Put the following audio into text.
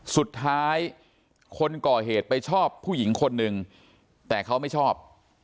สุดท้ายคนก่อเหตุไปชอบผู้หญิงคนหนึ่งแต่เขาไม่ชอบ